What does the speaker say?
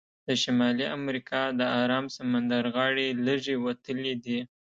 د شمالي امریکا د ارام سمندر غاړې لږې وتلې دي.